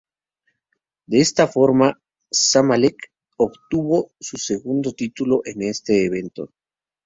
De esta forma, Zamalek obtuvo su segundo título en este evento.